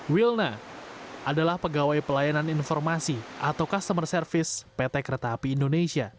wilna adalah pegawai pelayanan informasi atau customer service pt kereta api indonesia